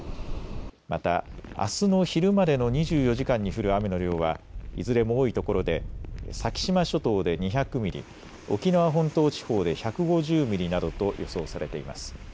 またあすの昼までの２４時間に降る雨の量はいずれも多いところで先島諸島で２００ミリ、沖縄本島地方で１５０ミリなどと予想されています。